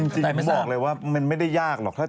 จริงผมบอกเลยว่ามันไม่ได้ยากหรอก